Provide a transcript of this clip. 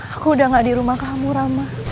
aku udah gak di rumah kamu rama